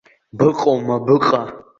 Быҟоума, быҟа?!